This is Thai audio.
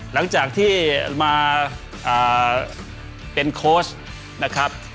หลังจากที่มาเป็นโค้ชนะครับ